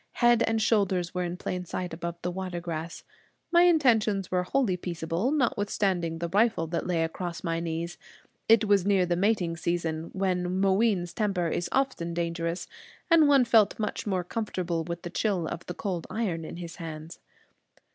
Head and shoulders were in plain sight above the water grass. My intentions were wholly peaceable, notwithstanding the rifle that lay across my knees. It was near the mating season, when Mooween's temper is often dangerous; and one felt much more comfortable with the chill of the cold iron in his hands.